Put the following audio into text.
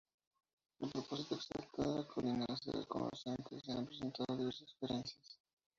El propósito exacto de la colina se desconoce, aunque se han presentado diversas sugerencias.